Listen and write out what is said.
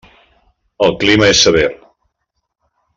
El clima és sever.